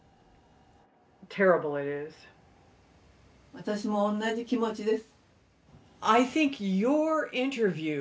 私も同じ気持ちです。